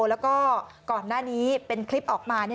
แล้วก็ก่อนหน้านี้เป็นคลิปออกมา